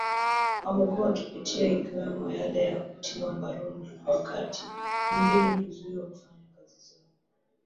wamekuwa wakipitia ikiwemo yale ya kutiwa mbaroni na wakati mwingine kuzuiwa kufanya kazi zao